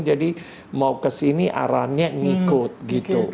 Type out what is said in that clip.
jadi mau kesini arahnya ngikut gitu